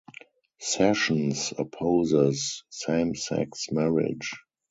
Sessions opposes same-sex marriage.